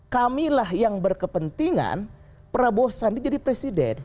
kamilah yang berkepentingan prabowo sandi jadi presiden